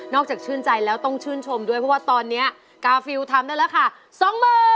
จากชื่นใจแล้วต้องชื่นชมด้วยเพราะว่าตอนนี้กาฟิลทำได้แล้วค่ะสองหมื่น